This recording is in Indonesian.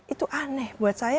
itu aneh buat saya